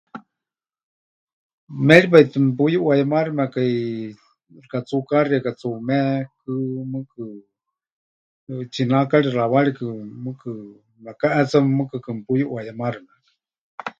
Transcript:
Méripai tɨ mepuyuʼuayemaximekai xɨka tsuukáxieka, tsuumékɨ mɨɨkɨ, tsináakari, xaawarikɨ mɨɨkɨ mekaʼeetsame, mɨɨkɨkɨ mepuyuʼuayemaximekai.